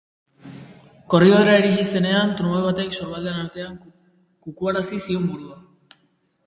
Korridorera iritsi zenean, trumoi batek sorbalden artean kukuarazi zion burua.